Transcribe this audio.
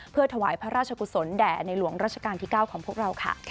เพื่อถวายพระราชกุศลแด่ในหลวงราชการที่๙ของพวกเราค่ะ